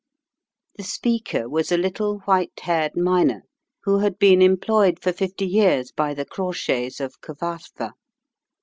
The speaker was a little, white haired miner, who had been employed for fifty years by the Crawshays, of Cyfarthfa.